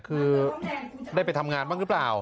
คือได้ไปทำงานบ้างหรือเปล่า